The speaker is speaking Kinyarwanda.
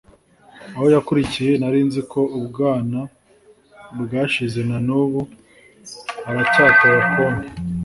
Aho yakuriye narinziko ubwana bwashize nanubu aracyatoba akondo